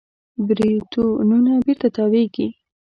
بریتونونه بېرته تاوېږي.